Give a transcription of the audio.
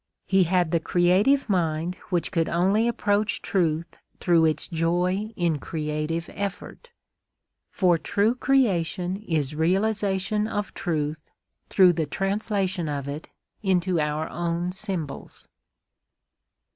He had the creative mind which could only approach Truth through its joy in creative effort. For true creation is realisation of truth through the translation of it into our own symbols.